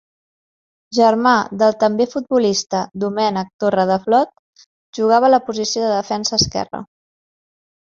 Germà del també futbolista Domènec Torredeflot, jugava a la posició de defensa esquerre.